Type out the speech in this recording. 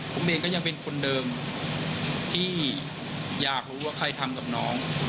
ผมเองก็ยังเป็นคนเดิมที่อยากรู้ว่าใครทำกับน้อง